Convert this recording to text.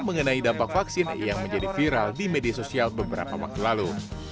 mengenai dampak vaksin yang menjadi viral di media sosial beberapa waktu lalu